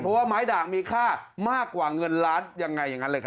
เพราะว่าไม้ด่างมีค่ามากกว่าเงินล้านยังไงอย่างนั้นเลยครับ